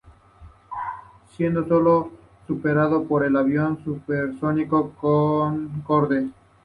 Siendo solo superado por el avión supersónico Concorde.